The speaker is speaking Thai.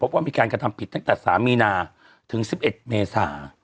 ว่ามีการกระทำผิดตั้งแต่๓มีนาถึง๑๑เมษา